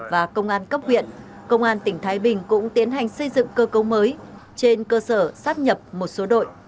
và công an cấp huyện công an tỉnh thái bình cũng tiến hành xây dựng cơ cấu mới trên cơ sở sắp nhập một số đội